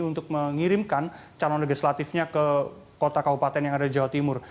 yang mengirimkan calon legislatifnya ke kota kau paten yang ada di jawa timur